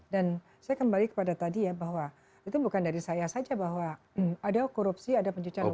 dan saya kembali kepada tadi ya bahwa itu bukan dari saya saja bahwa ada korupsi ada pencucian uang